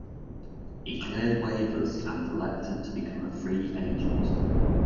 He cleared waivers and elected to become a free agent.